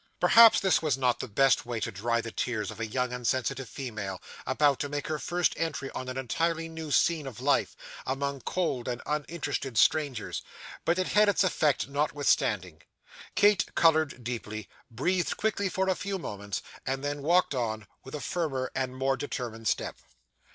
Perhaps this was not the best way to dry the tears of a young and sensitive female, about to make her first entry on an entirely new scene of life, among cold and uninterested strangers; but it had its effect notwithstanding. Kate coloured deeply, breathed quickly for a few moments, and then walked on with a firmer and more determined step.